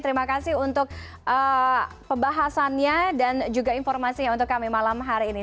terima kasih untuk pembahasannya dan juga informasinya untuk kami malam hari ini